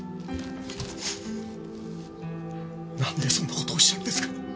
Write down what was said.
なんでそんな事おっしゃるんですか！